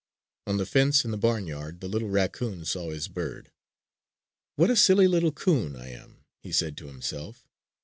On the fence in the barnyard, the little raccoon saw his bird. "What a silly little 'coon I am," he said to himself.